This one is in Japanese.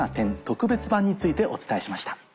特別版についてお伝えしました。